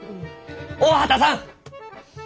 大畑さん！